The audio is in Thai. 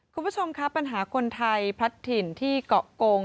คุณผู้ชมครับปัญหาคนไทยพลัดถิ่นที่เกาะโกง